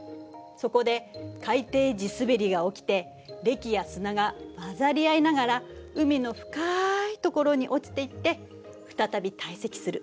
そこで海底地すべりが起きてれきや砂が混ざり合いながら海の深い所に落ちていって再び堆積する。